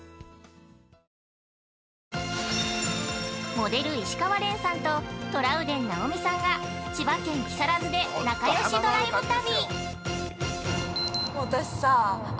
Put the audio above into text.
◆モデル・石川恋さんとトラウデン直美さんが千葉県木更津で仲よしドライブ旅。